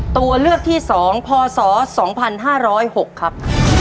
ตัวเลือกที่๒พศ๒๕๐๖ครับ